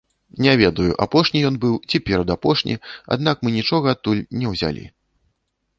Не ведаю, апошні ён быў ці перадапошні, аднак мы нічога адтуль не ўзялі.